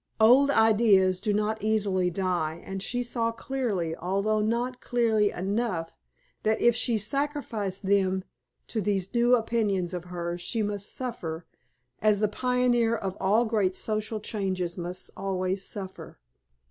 Old ideas do not easily die, and she saw clearly, although not clearly enough, that if she sacrificed them to these new opinions of hers she must suffer, as the pioneer of all great social changes must always suffer.